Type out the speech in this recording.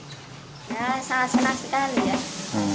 ya sangat senang sekali ya